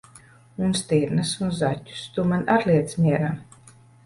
Un stirnas un zaķus tu man ar liec mierā!